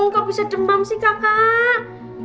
gak bisa demam sih kakak